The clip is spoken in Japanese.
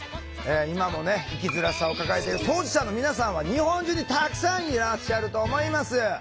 今もね生きづらさを抱えている当事者の皆さんは日本中にたくさんいらっしゃると思います。